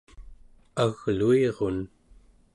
agluirun